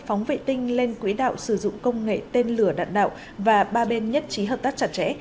phóng vệ tinh lên quỹ đạo sử dụng công nghệ tên lửa đạn đạo và ba bên nhất trí hợp tác chặt chẽ